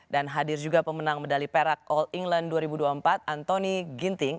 dan hadir juga pemenang medali perak all england dua ribu dua puluh empat anthony ginting